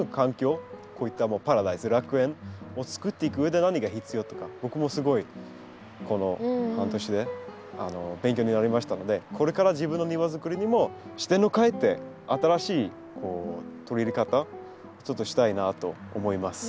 こういったパラダイス楽園を作っていくうえで何が必要とか僕もすごいこの半年で勉強になりましたのでこれから自分の庭作りにも視点を変えて新しい取り入れ方ちょっとしたいなと思います。